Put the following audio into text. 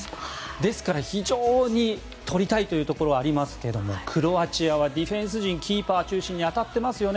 ですから、非常に取りたいというところはありますけどクロアチアはディフェンス陣キーパー中心に当たっていますよね。